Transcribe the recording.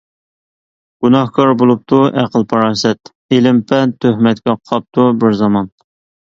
گۇناھكار بولۇپتۇ ئەقىل-پاراسەت، ئىلىم-پەن تۆھمەتكە قاپتۇ بىر زامان.